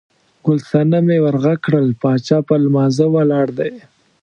ګل صنمې ور غږ کړل، باچا په لمانځه ولاړ دی.